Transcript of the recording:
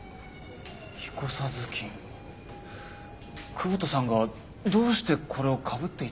窪田さんがどうしてこれをかぶっていたかですが。